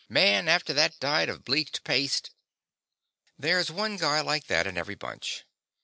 Man, after that diet of bleached paste...." There's one guy like that in every bunch.